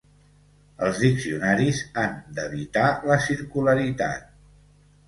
Els diccionaris han d'evitar la circularitat.